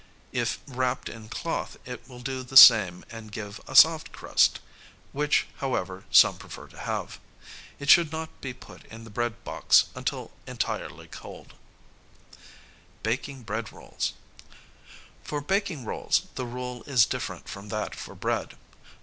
If wrapped in cloth it will do the same and give a soft crust, which, however, some prefer to have. It should not be put in the bread box until entirely cold. [Sidenote: Baking bread rolls.] For baking rolls the rule is different from that for bread.